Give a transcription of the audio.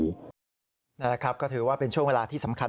นั่นแหละครับก็ถือว่าเป็นช่วงเวลาที่สำคัญ